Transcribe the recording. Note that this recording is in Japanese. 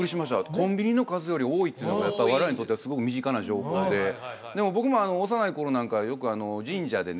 コンビニの数より多いっていうのがやっぱ我々にとってはすごく身近な情報ででも僕も幼い頃なんかはよく神社でね